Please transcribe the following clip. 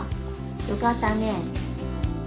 よかったね。